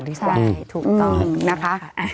ใช่ถูกต้อนนะคะ